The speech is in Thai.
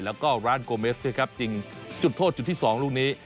แล้วก็ร้านโกเมสนะครับจริงจุดโทษจุดที่๒ลูกนี้